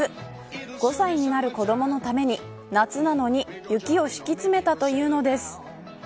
５歳になる子どものために夏なのに雪を敷き詰めたというのです。